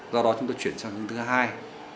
do đó chúng tôi chuyển sang hướng thứ hai